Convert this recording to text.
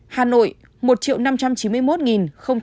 hà nội một năm trăm chín mươi một chín mươi ba